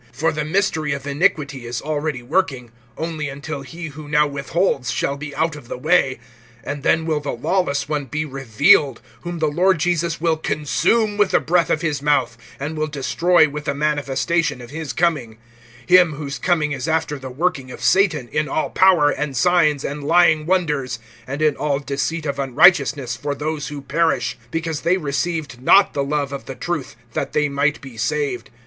(7)For the mystery of iniquity is already working; only until he who now withholds shall be out of the way. (8)And then will the Lawless One be revealed, whom the Lord Jesus will consume with the breath of his mouth, and will destroy with the manifestation of his coming; (9)[him,] whose coming is after the working of Satan, in all power and signs and lying wonders, (10)and in all deceit of unrighteousness for those who perish; because they received not the love of the truth, that they might be saved.